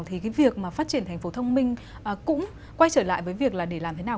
thì cái việc mà phát triển thành phố thông minh cũng quay trở lại với việc là để làm thế nào